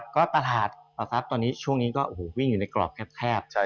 ก็ตราหารอัลซับวิ่งอยู่ในกรอบแคบ